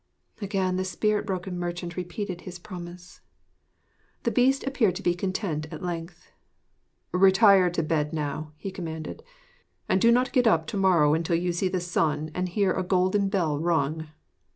Again the spirit broken merchant repeated his promise. The Beast appeared to be content at length. 'Retire to bed now,' he commanded, 'and do not get up to morrow until you see the sun and hear a golden bell rung.